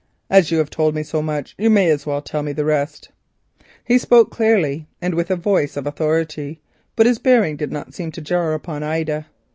As you have told me so much you may as well tell me the rest." He spoke clearly and with a voice full of authority, but his bearing did not seem to jar upon Ida.